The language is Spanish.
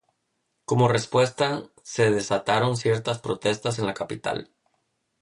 Como respuesta, se desataron ciertas protestas en la capital.